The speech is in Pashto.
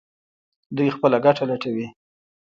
دوی خپله ګټه لټوي.